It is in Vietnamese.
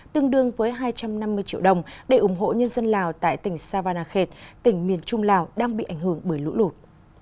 tương đương với hai trăm năm mươi triệu đồng để ủng hộ nhân dân lào tại tỉnh savanakhet tỉnh miền trung lào đang bị ảnh hưởng bởi lũ lụt